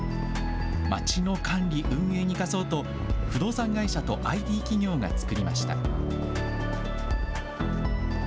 町の管理・運営に生かそうと、不動産会社とＩＴ企業が作りました。